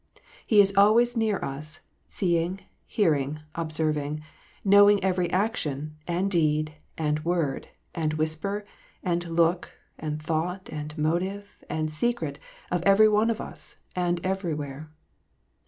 He is always near us, seeing, hearing, observing, knowing every action, and deed, and word, and whisper, and look, and thought, and motive, and secret of every one of us, and everywhere.